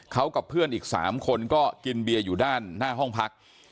เขากับเพื่อนอีก๓คนก็กินเบียร์อยู่ด้านหน้าห้องพัก